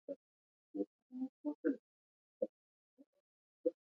ځمکنی شکل د افغانستان د ښاري پراختیا سبب کېږي.